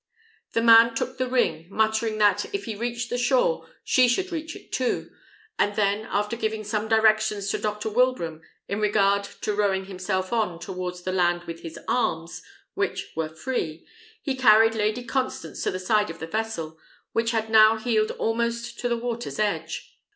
The man took the ring, muttering that, if he reached the shore, she should reach it too; and then, after giving some directions to Dr. Wilbraham in regard to rowing himself on towards the land with his arms, which were free, he carried Lady Constance to the side of the vessel, which had now heeled almost to the water's edge.